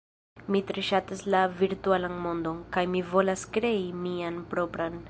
Mi tre ŝatas la virtualan mondon, kaj mi volas krei mian propran.